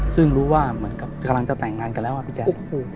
ซึ่งรู้ว่าเหมือนกับกำลังจะแต่งงานกันแล้วอะพี่แจ๊ค